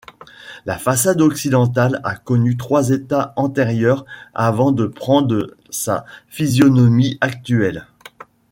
La façade occidentale a connu trois états antérieurs avant de prendre sa physionomie actuelle.